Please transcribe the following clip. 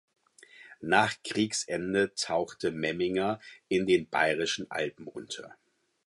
Nach Kriegsende tauchte Memminger in den bayrischen Alpen unter.